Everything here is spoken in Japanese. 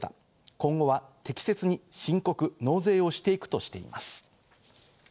今後は適切に申告納税をしていくとしています。